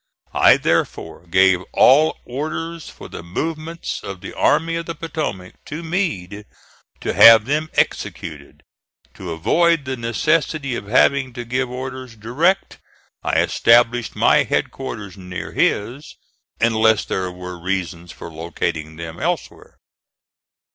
I therefore gave all orders for the movements of the Army of the Potomac to Meade to have them executed. To avoid the necessity of having to give orders direct, I established my headquarters near his, unless there were reasons for locating them elsewhere.